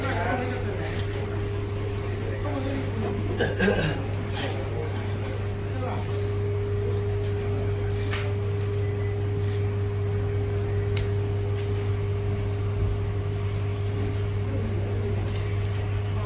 จังหวัดเย็นต้นเทียมอ่ะ